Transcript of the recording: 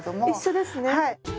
あっ一緒ですね。